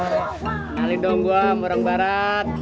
kenalin dong gue orang barat